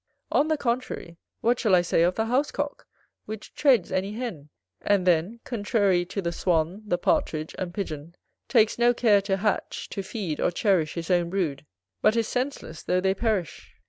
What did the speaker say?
On the contrary, what shall I say of the House Cock, which treads any hen; and, then, contrary to the Swan, the Partridge, and Pigeon, takes no care to hatch, to feed, or cherish his own brood, but is senseless, though they perish.